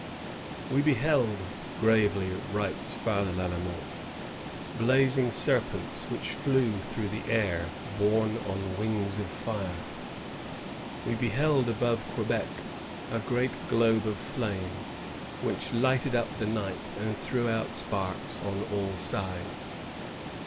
"We beheld," gravely writes Father Lalemant, " blazing serpents which flew through the air, borne on wings of fire. We beheld above Quebec a great globe of flame, which lighted up the night, and threw out sparks on all sides.